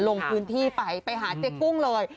ลงพื้นที่ไปไปหาเจ๊กุ้งเลย